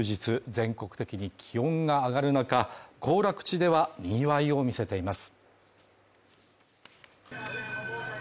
全国的に気温が上がる中、行楽地では、賑わいを見せています。